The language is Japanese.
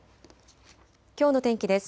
きょうの天気です。